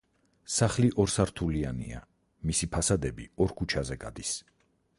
სახლი ორსართულიანია, მისი ფასადები ორ ქუჩაზე გადის.